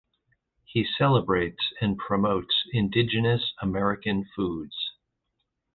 He celebrates and promotes Indigenous American foods.